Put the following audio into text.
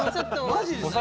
マジですか！